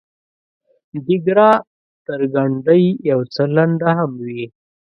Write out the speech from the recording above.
ډیګره تر ګنډۍ یو څه لنډه هم وي.